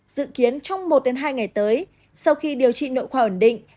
dự kiến trong một đến hai ngày tới sau khi điều trị nội khoa ẩn định